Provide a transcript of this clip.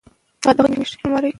ماشومان د کیسې اورېدو ته ناست ول.